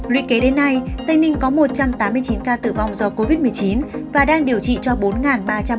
luy kế đến nay tây ninh có một trăm tám mươi chín ca tử vong do covid một mươi chín và đang điều trị cho bốn ba trăm bốn mươi bảy bệnh nhân